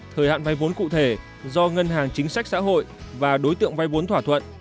thời hạn vay vốn cụ thể do ngân hàng chính sách xã hội và đối tượng vay vốn thỏa thuận